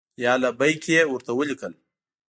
یا لبیک! یې ورته ولیکل.